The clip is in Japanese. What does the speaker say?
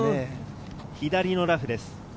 左のラフです。